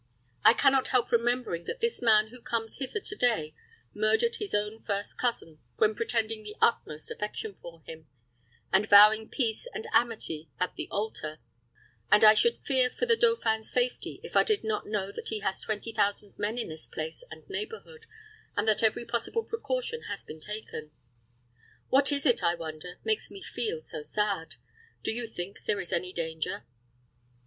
I can not help remembering that this man who comes hither to day murdered his own first cousin, when pretending the utmost affection for him, and vowing peace and amity at the altar; and I should fear for the dauphin's safety, if I did not know that he has twenty thousand men in this place and neighborhood, and that every possible precaution has been taken. What is it, I wonder, makes me feel so sad? Do you think there is any danger?"